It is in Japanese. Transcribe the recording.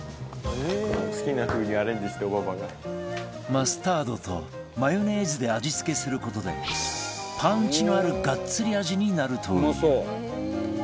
マスタードとマヨネーズで味付けする事でパンチのあるガッツリ味になるという